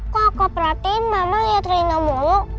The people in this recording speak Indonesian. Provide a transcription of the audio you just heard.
kok aku perhatiin mama liat reina mulu